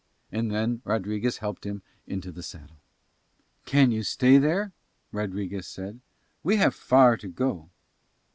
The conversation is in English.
And then Rodriguez helped him into the saddle. "Can you stay there?" Rodriguez said. "We have far to go."